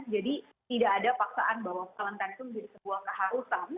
jadi tidak ada paksaan bahwa valentine's day itu menjadi sebuah keharusan